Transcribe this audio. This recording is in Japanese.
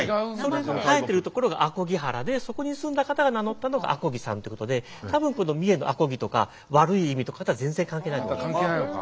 生えてる所が阿漕原でそこに住んだ方が名乗ったのが阿漕さんってことで多分この三重の阿漕とか悪い意味とかとは全然関係ないと思います。